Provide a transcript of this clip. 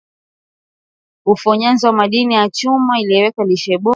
matembele ya kiazi lishe yawekwe limao kusaidia ufyonzaji wa madini ya chuma